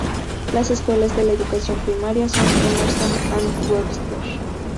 Las escuelas de educación primaria son Emerson and Webster.